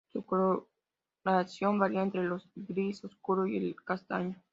Su coloración varía entre el gris oscuro y el castaño.